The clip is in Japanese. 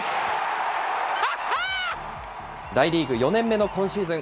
大リーグ４年目の今シーズン。